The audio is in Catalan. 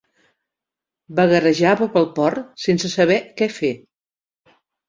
Vagarejava pel port, sense saber què fer.